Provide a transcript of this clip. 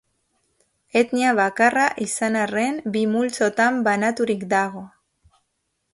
Etnia bakarra izan arren, bi multzotan banaturik dago.